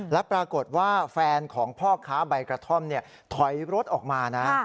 แล้วปรากฏว่าแฟนของพ่อค้าใบกระท่อมถอยรถออกมานะ